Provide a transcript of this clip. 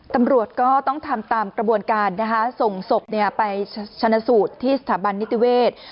ตำรวจก็ต้องทำตามกระบวนการนะคะส่งศพไปชนะสูตรที่สถาบันนิติเวศ